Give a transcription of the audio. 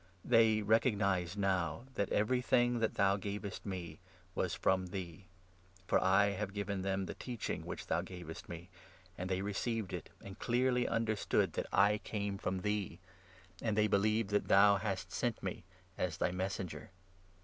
They 7 recognize now that everything that thou gavest me was from thee ; for I have given 8 them the teaching which thou gavest me, and they received it, and clearly understood that I came from thee, and they believed that thou „ hast sent me as thy Messenger.